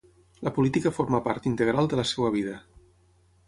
La política forma part integral de la seva vida.